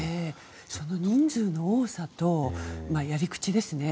その人数の多さとやり口ですね。